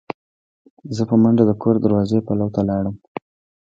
زه په منډه د کور د دروازې پلو ته لاړم.